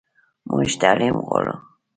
موږ تعلیم غواړو